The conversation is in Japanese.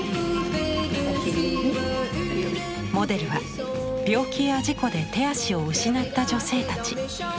モデルは病気や事故で手足を失った女性たち。